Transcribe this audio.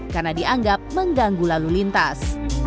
karena dianggap mengganggu lalu lintas